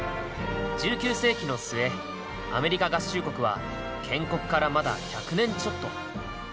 １９世紀の末アメリカ合衆国は建国からまだ１００年ちょっと。